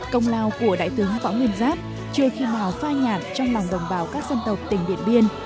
công lao của đại tướng võ nguyên giáp chưa khi nào phai nhạt trong lòng đồng bào các dân tộc tỉnh điện biên